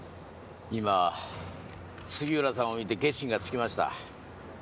今杉浦さんを見て決心がつきました。